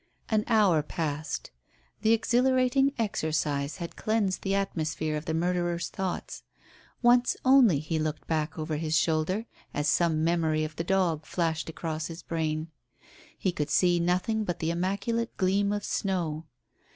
An hour passed. The exhilarating exercise had cleansed the atmosphere of the murderer's thoughts. Once only he looked back over his shoulder as some memory of the dog flashed across his brain. He could see nothing but the immaculate gleam of snow.